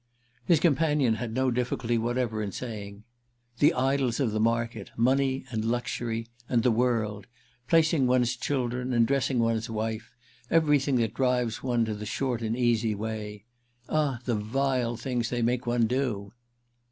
His companion had no difficulty whatever in saying, "The idols of the market; money and luxury and 'the world;' placing one's children and dressing one's wife; everything that drives one to the short and easy way. Ah the vile things they make one do!"